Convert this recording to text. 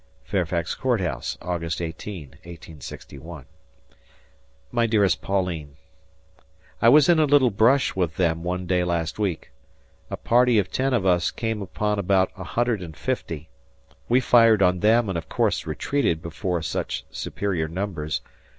Fairfax Court House, August 18, 1861. My dearest Pauline: I was in a little brush with them one day last week. A party of ten of us came upon about 150. We fired on them and of course retreated before such superior numbers.